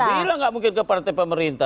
siapa bilang enggak mungkin ke partai pemerintah